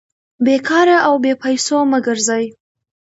بې کاره او بې پېسو مه ګرځئ!